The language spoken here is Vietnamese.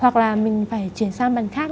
hoặc là mình phải chuyển sang bàn khác